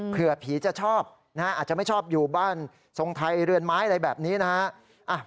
เผื่อผีจะชอบนะฮะอาจจะไม่ชอบอยู่บ้านทรงไทยเรือนไม้อะไรแบบนี้นะฮะ